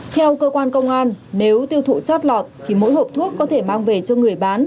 theo cơ quan công an nếu tiêu thụ chót lọt thì mỗi hộp thuốc có thể mang về cho người bán